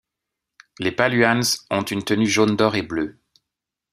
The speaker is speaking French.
Les paluans ont une tenue jaune d'or et bleue.